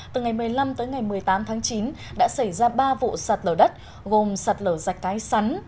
từ ngày một mươi năm tới ngày một mươi tám tháng chín đã xảy ra ba vụ sạt lở đất gồm sạt lở rạch thái sắn